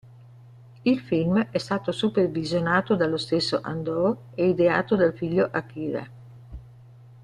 Il film è stato supervisionato dallo stesso Andō e ideato dal figlio Akira.